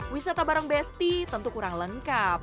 wisata bareng besti tentu kurang lengkap